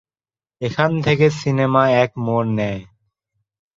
এখান থেকে সিনেমা এক মোড় নেয়।